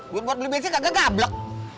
buat buat beli bensin kagak gablek